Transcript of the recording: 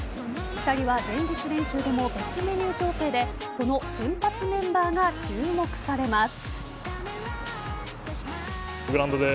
２人は前日練習でも別メニュー調整でその先発メンバーが注目されます。